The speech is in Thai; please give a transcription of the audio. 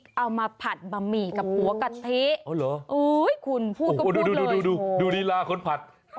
คนผัดนี่แรงเยอะ